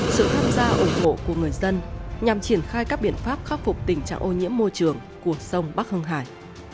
sự tham gia ủng hộ của người dân nhằm triển khai các biện pháp khắc phục tình trạng ô nhiễm môi trường của sông bắc hưng hải